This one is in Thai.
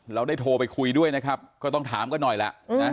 เราได้โทรไปคุยด้วยนะครับก็ต้องถามกันหน่อยล่ะนะ